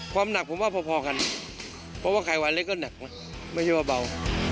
หนักผมว่าพอกันเพราะว่าใครวันเล็กก็หนักนะไม่ใช่ว่าเบา